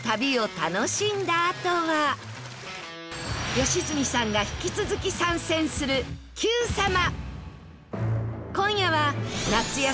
良純さんが引き続き参戦する『Ｑさま！！』。